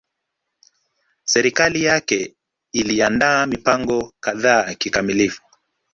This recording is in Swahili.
Serikali yake iliandaa mipango kadhaa kikamilifu